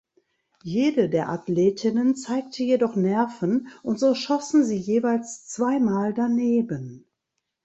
Jede der Athletinnen zeigte jedoch Nerven und so schossen sie jeweils zwei Mal daneben.